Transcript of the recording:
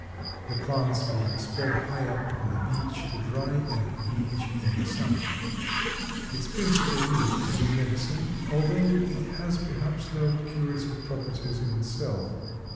The plants being spread high up on the beach to dry and bleach in the sun. Its principal use is in medicine, although it has perhaps no curative properties in itself.